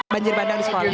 banjir bandang di sekolah